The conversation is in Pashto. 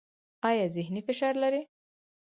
ایا ذهني فشار لرئ؟